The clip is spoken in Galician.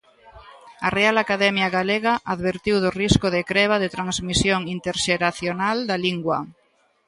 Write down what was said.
A Real Academia Galega advertiu do risco de creba de transmisión interxeracional da lingua.